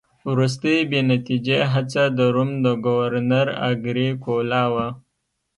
وروستۍ بې نتیجې هڅه د روم د ګورنر اګریکولا وه